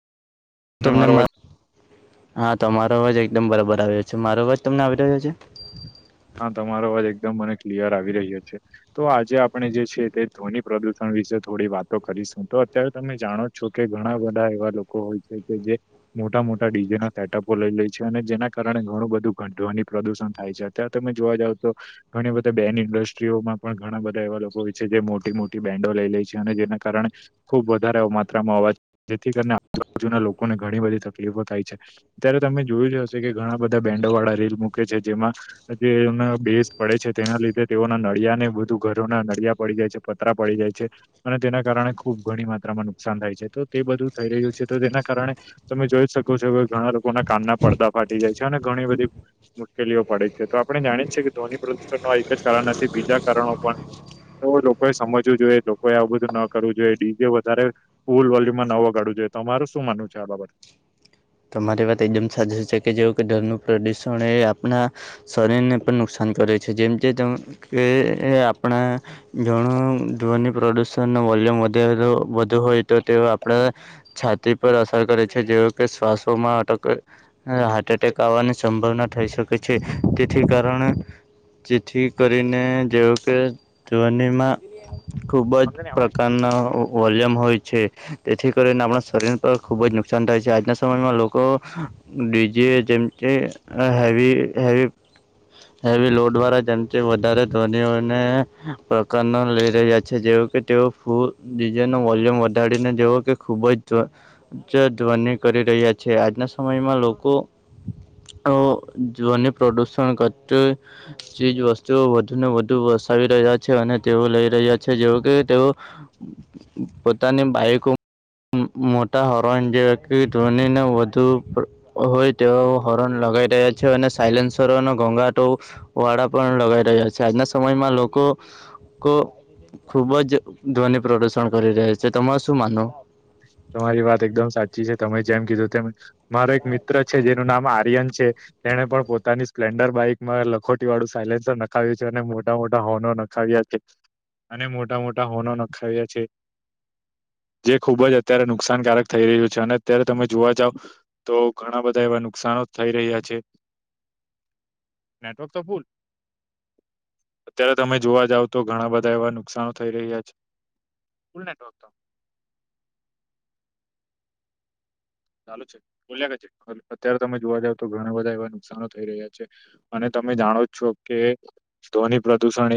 અને તમને મારો અવાજ મા હા તમારો અવાજ એકદમ બરાબર આવ્યો છે, મારો અવાજ તમને આવી રહ્યો છે. હા તમારો અવાજ એકદમ મને ક્લિયર આવી રહ્યો છે. તો આજે આપણે જે છે, તે ધ્વનિ પ્રદુષણ વિશે થોડી વાતો કરીશું તો અત્યારે તમે જાણો જોકે ઘણા બધા એવા લોકો હોય છે કે જે મોટા મોટા ડીઝે ના સેટઅપો લઈ લે છે અને જેના કારણે ઘણું બધું ઘઢવાની પ્રદુષણ થાય છે ત્યાં તમે જોવા જાવ તો ઘણી બધા બેન ઇન્ડસ્ટ્રીઓમાં પણ ઘણા બધા એવા લોકો હોય છે જે મોટી મોટી બેન્ડો લઈ લે છે અને જેના કારણે ખુબ વધારે માત્રામાં અવાજ જેથી કરીને આજુબાજુના લોકોને ઘણી બધી તકલીફો થાય છે ત્યારે તમે જોયું જ હશે કે ઘણા બધા બેન્ડો વાળા રેલ મૂકે છે જેમાં જે એના બેઝ પડે છે તેના લીધે તેઓના નળિયા ને બધું ઘરોના નળિયા પડી જાય છે પતરા પડી જાય છે અને તેના કારણે ખુબ ઘણી માત્રામાં નુકસાન થાય છે, તો તે બધું થઈ રહ્યું છે, તો તેના કારણે તમે જોઈ શકો છો કે ઘણા લોકોના કાનના પડદા ફાટી જાય છે, અને ઘણી બધી મુશ્કેલીઓ પડે તો આપણે જાણીએ કે ધ્વનિ પ્રદુષણ ન એક જ કારણ નથી બીજા કારણો પણ તો લોકોએ સમજવું જોઈએ લોકોએ આવું બધું ન કરવું જોઈએ ડીજે વધારે ફૂલ વોલ્યુમમાં ન વગાડવું જોઈએ તમારે શું માનવું છે, આ બાબત? તમારી વાત એકદમ સાચી છે, કે જેવું કે ધ્વનીનું પ્રદૂષણ એ આપના શરીર ને પણ નુકસાન કરે છે, જેમકે તમે કે આપણા ઘણુ ધ્વનિ પ્રદુષણ વોલ્યુમ વધે તો વધુ હોય તો તેઓ આપણે છાતી પર અસર કરે છે, જેવુ કે શ્વાસોમાં અટક હાર્ટ એટેક આવવાની સંભાવના થઈ શકે છે, તેથી કારણે જેથી કરીને જેવું કે ધ્વનિમાં ખૂબ જ બાબત પ્રકારના વોલ્યમ હોય છે, તેથી કરીને આપણાં શરીર પર ખૂબ જ નુકસાન થાય છે, આજના સમયમા લોકો ડીજી જેમ કે હેવી હેવી હેવી લોડ વાળા જેમતી વધારે ધ્વનિઓને પ્રકારના લઈ રહ્યા છે, જેવુ કે તેઓ ખુબ ડીજેનો વોલ્યુમ વધાડીને તેવો કે ખૂબ જ જ ધ્વનિ કરી રહ્યા છે, આજના સમયમાં લોકો ધ્વની પ્રદૂષણ કરતી ચીજ વસ્તુઓ વધુ ને વધુ વસાવી રહ્યા છે, અને તેઓ લઈ રહ્યા છે, જેવુ કે તેઓ પોતાની બાઈકો મોટા હોરોન જે કે ધ્વનિને વધુ હોય તેવા હોર્ન લગાવી રહ્યા છે, અને સાયલેન્સરો ઘોઘાટો વાળા પણ લગાઈ રહ્યા છે, આજના સમયમાં લોકો કો ખુબ જ ધ્વનિ પ્રદર્શન કરી રહ્યા છે, તમારે શું માનવું? તમારી વાત એકદમ સાચી છે, તમે જેમ કીધું તેમ મારો એક મિત્ર છે, જેનું નામ આર્યન છે. તેણે પણ પોતાની સ્પલેડર બાઈકમાં લખોટી વાળું સાયલેન્સર નખાવ્યું છે, અને મોટા મોટા હોર્નો નખાવ્યા છે, અને મોટા મોટા હોનો નખાવ્યા છે. જે ખુબ જ અત્યારે નુકસાનકારક થઈ રહ્યું છે, અને અત્યારે તમે જોવા જાવ તો ઘણા બધા એવા નુકસનો થઈ રહ્યા છે. નેટવર્ક તો ફૂલ અત્યારે તમે જોવા જાવ તો ઘણા બધા એવા નુકસાનો થઈ રહ્યા છે. ફૂલ નેટવર્ક તો ચાલુ છે, બોલ્યા કરજે અત્યારે તમે જોવા જાવ તો ઘણા બધા એવા નુકસાનો થઈ રહ્યા છે. અને તમે જાણો છો કે ધ્વની પ્રદુષણએ